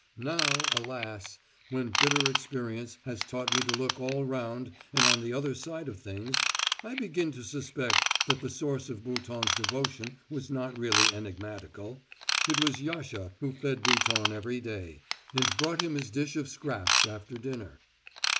Now, alas! when bitter experience has taught me to look all round and on the under side of things, I begin to suspect that the source of Bouton's devotion was not really enigmatical it was Yasha who fed Bouton every day, and brought him his dish of scraps after dinner.